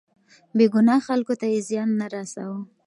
بې ګناه خلکو ته يې زيان نه رساوه.